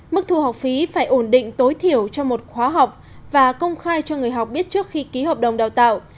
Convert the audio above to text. mức thu học phí phải ổn định tối thiểu cho một khóa học và công khai cho người học biết trước khi ký hợp đồng đào tạo